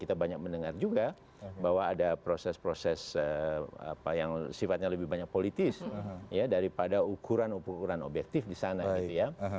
kita banyak mendengar juga bahwa ada proses proses yang sifatnya lebih banyak politis daripada ukuran ukuran objektif di sana gitu ya